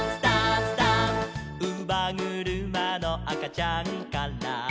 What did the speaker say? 「うばぐるまの赤ちゃんから」